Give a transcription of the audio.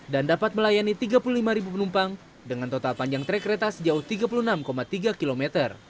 dan dapat melayani tiga puluh lima penumpang dengan total panjang trek kereta sejauh tiga puluh enam tiga km